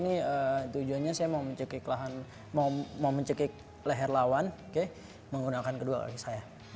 ini tujuannya saya mau mencekik leher lawan menggunakan kedua kaki saya